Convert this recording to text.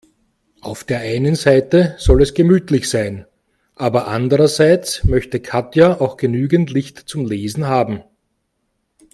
Auf der einen Seite soll es gemütlich sein, aber andererseits möchte Katja auch genügend Licht zum Lesen haben.